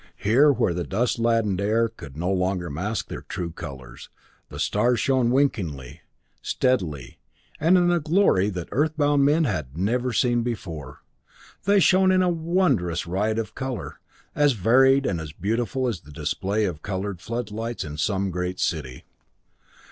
Here, where the dust laden air could no longer mask their true colors, the stars shone unwinkingly, steadily, and in a glory that earth bound men had never seen before. They shone in a wonderous riot of color, as varied and as beautiful as the display of colored floodlights in some great city.